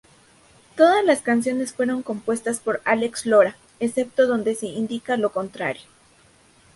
Todas las canciones fueron compuestas por Álex Lora, excepto donde se indica lo contrario.